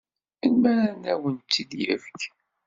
Melmi ara awen-tt-id-yefk?